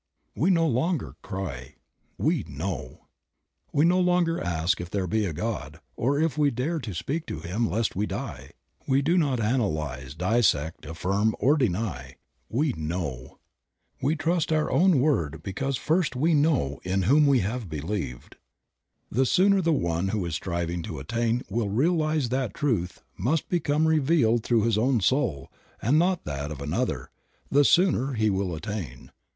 We no longer cry, we Know. We no longer ask if there be a God, or if we dare to speak to Him lest we die; we do not analyze, dissect, affirm, or deny, We know. We trust our own word because first we "Know in whom 38 Creative Mind. we have believed." The sooner the one who is striving to attain will realize that truth must become revealed through his own soul, and not that of another, the sooner he will attain.